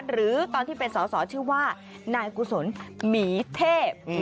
หรือตอนที่เป็นสอสอชื่อว่านายกุศลหมีเทพ